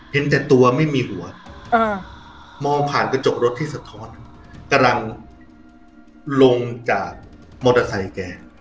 เห็นแต่ตัวไม่มีหัวมองผ่านกระจกรถที่สะท้อนกำลังลงจากมอเตอร์ไซค์แก